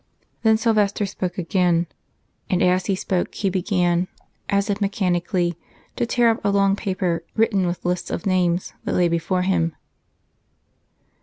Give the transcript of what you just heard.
Then Silvester spoke again. And as He spoke He began, as if mechanically, to tear up a long paper, written with lists of names, that lay before Him.